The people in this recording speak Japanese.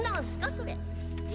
それ。